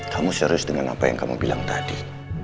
kamu serius dengan apa yang kamu bilang tadi